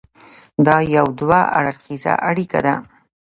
دا یو دوه اړخیزه اړیکه ده.